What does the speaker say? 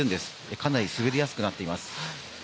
かなり滑りやすくなっています。